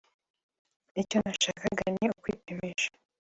icyo nashakaga ni ukwipimisha